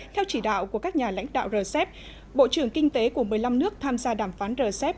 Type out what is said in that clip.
theo chỉ đạo của các nhà lãnh đạo rcep bộ trưởng kinh tế của một mươi năm nước tham gia đàm phán rcep